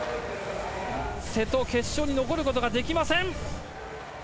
瀬戸、決勝に残ることができません。